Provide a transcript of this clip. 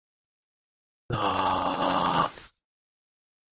Krivtsovka is the nearest rural locality.